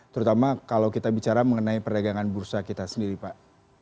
terutama kalau kita bicara mengenai perdagangan bursa kita sendiri pak